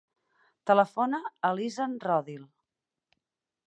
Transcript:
Telefona a l'Izan Rodil.